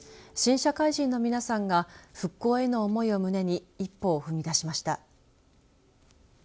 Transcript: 新社会人の皆さんが復興への思いを胸に一歩を踏み出しました。